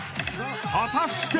［果たして］